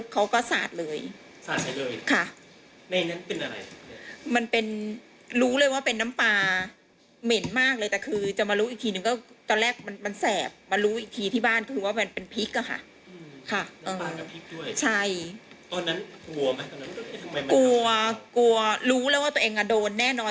กลัวกลัวรู้แล้วว่าตัวเองโดนแน่นอน